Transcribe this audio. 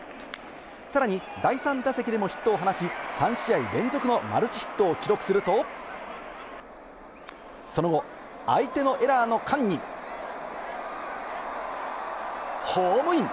さらに第３打席でもヒットを放ち、３試合連続のマルチヒットを記録すると、その後、相手のエラーの間にホームイン！